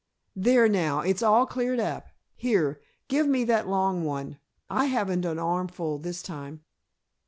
There now, it's all cleared up. Here, give me that long one. I haven't an armful this time."